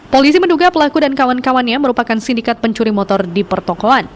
polisi menduga pelaku dan kawan kawannya merupakan sindikat pencuri motor di pertokoan